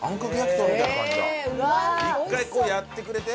１回こうやってくれて？